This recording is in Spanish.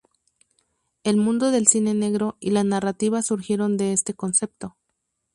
El mundo del cine negro y la narrativa surgieron de este concepto.